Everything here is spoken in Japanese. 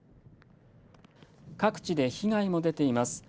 各地で被害も出ています。